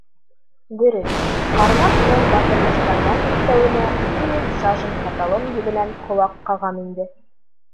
Дөрөҫ, ҡармаҡ менән батырмыстарҙан, өҫтәүенә, ике йөҙ сажин каталон ебенән ҡолаҡ ҡағам инде.